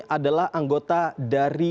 adalah anggota dari